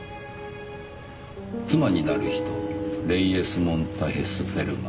「妻になる人レイエスモンタヘスフェルマ」。